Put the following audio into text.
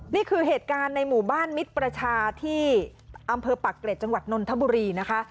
นี่คือเหตุการณ์ในหมู่บ้านมิตรประชาที่อำเภอปักเกร็จจังหวัดนนทบุรีนะคะ